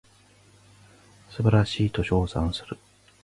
素晴らしいと称賛する